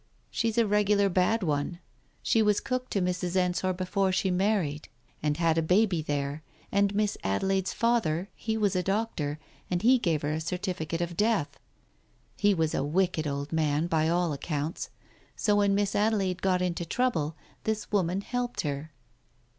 She's a regular bad one. She was cook to Mrs. Ensor before she married and had a baby there, and Miss Adelaide's father, he was a doctor, and he gave her a certificate of death. He was a wicked old man, by all accounts. So when Miss Adelaide got into trouble, this woman helped her.